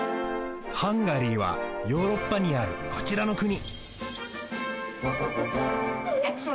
ハンガリーはヨーロッパにあるこちらのくに！